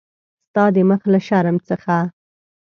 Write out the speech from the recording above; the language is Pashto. ستا د مخ له شرم څخه.